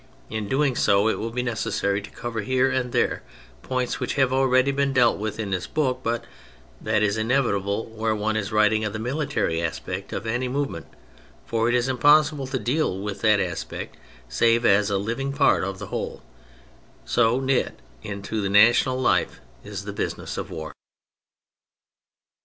In so doing, it will be necessary to cover here and there points which have already been dealt with in this book, but that is inevitable where one is writing of the military aspect of any move ment, for it is impossible to deal with that aspect save as a living part of the whole : so knit into national life is the business of war.